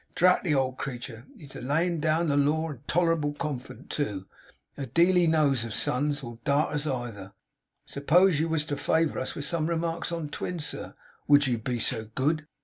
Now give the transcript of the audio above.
Drat the old creetur, he's a layin' down the law tolerable confident, too! A deal he knows of sons! or darters either! Suppose you was to favour us with some remarks on twins, sir, WOULD you be so good!